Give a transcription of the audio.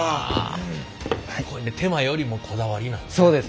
こういうね手間よりもこだわりなんですね。